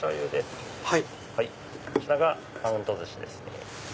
こちらがマウント寿司ですね。